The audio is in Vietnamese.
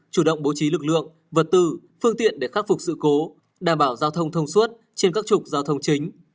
chủ động bố trí lực lượng vật tư phương tiện để khắc phục sự cố đảm bảo giao thông thông suốt trên các trục giao thông chính